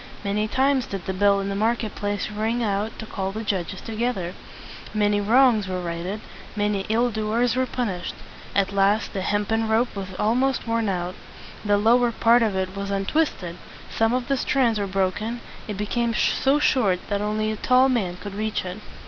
Many times did the bell in the market place ring out to call the judges together. Many wrongs were righted, many ill doers were punished. At last the hempen rope was almost worn out. The lower part of it was un twist ed; some of the strands were broken; it became so short that only a tall man could reach it.